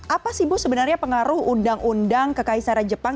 apa sih bu sebenarnya pengaruh undang undang kekaisaran jepang